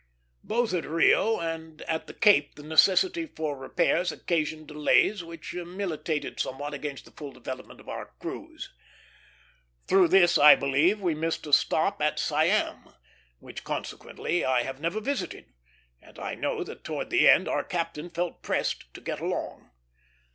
Both in Rio and at the Cape the necessity for repairs occasioned delays which militated somewhat against the full development of our cruise. Through this, I believe, we missed a stop at Siam, which, consequently, I have never visited; and I know that towards the end our captain felt pressed to get along.